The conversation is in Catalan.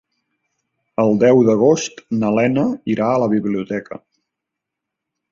El deu d'agost na Lena irà a la biblioteca.